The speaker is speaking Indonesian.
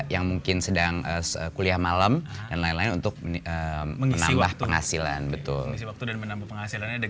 yang mungkin sedang kuliah malam dan lain lain untuk menikah